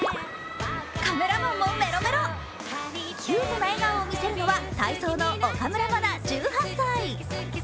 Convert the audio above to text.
カメラマンのメロメロ、キュートな笑顔を見せるのは体操の岡村真１８歳。